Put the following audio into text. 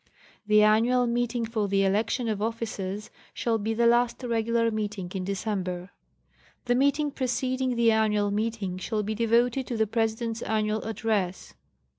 The annual meeting for the election of officers shall be the last regular meeting in December. The meeting preceding the annual meeting shall be devoted to the President's annual address.